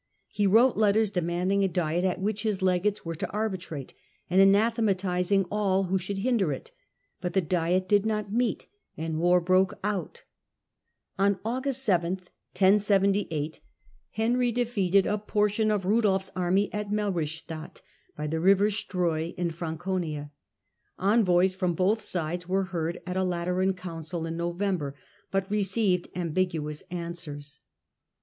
He wrote letters demanding a diet at which his legates were to arbitrate, and anathematising all who should hinder it ; but the diet did not meet, and war broke Henry's ^^^'^^ August 7, 1078, Henry defeated a MeiS?* portion of Rudolfs army at Melrichstadt by Btadt, 1078 ^Q river Streu in Franconia. Envoys from both sides were heard at a Lateran council in November, but received ambiguous answers.